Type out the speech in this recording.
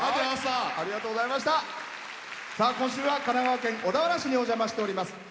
今週は神奈川県小田原市にお邪魔しております。